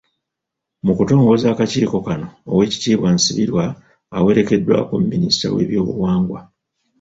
Mu kutongoza akakiiko kano, Owek.Nsibirwa awerekeddwako Minisita w’ebyobuwangwa.